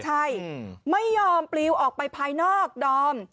ใช่ไม่ยอมปลิวออกไปภายนอกดอม